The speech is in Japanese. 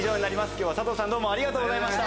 今日は佐藤さんどうもありがとうございました。